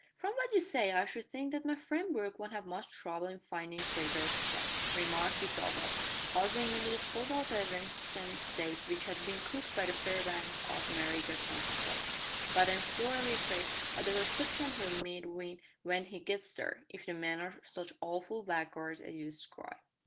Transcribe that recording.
"From what you say I should think that my friend Brooke won't have much trouble in findin' Traitor's Trap," remarked Dick Darvall, pausing in the disposal of a venison steak which had been cooked by the fair bands of Mary Jackson herself, "but I'm sorely afraid o' the reception he'll meet with when he gets there, if the men are such awful blackguards as you describe."